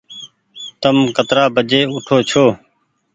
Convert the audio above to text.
تم ڪترآ بجي اوٺو ڇو ۔